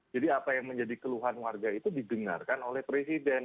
jadi apa yang menjadi keluhan warga itu didengarkan oleh presiden